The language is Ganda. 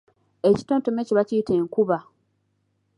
Ekitontome ekyo bakiyita enkuba.